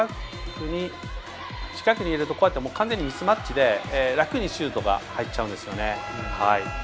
近くにいるとこうやって完全にミスマッチで楽にシュートが入っちゃうんです。